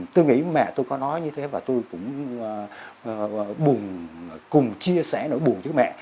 tôi nghĩ mẹ tôi có nói như thế và tôi cũng buồn cùng chia sẻ nỗi buồn với mẹ